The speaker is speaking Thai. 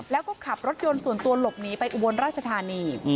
แล้วก็ขับรถยนต์ส่วนตัวหลบหนีไปอุบลราชธานี